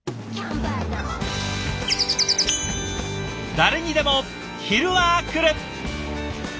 誰にでも昼はくる。